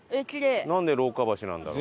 なんで廊下橋なんだろう？